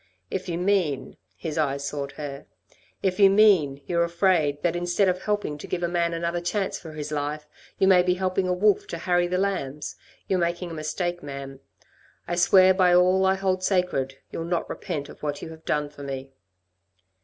If you mean," his eyes sought hers, "if you mean you're afraid that instead of helping to give a man another chance for his life you may be helping a wolf to harry the lambs, you're making a mistake, ma'am. I swear by all I hold sacred, you'll not repent of what you have done for me."